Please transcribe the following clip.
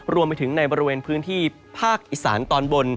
รวมไปถึงในบริเวณพื้นที่ภาคอีสานตอนบน